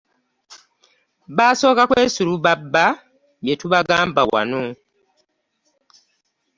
Baasooka kwesulubabba bye tubagamba wano.